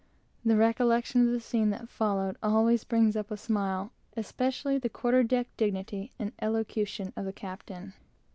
The recollection of the scene that followed always brings up a smile, especially the quarter deck dignity and eloquence of the captain.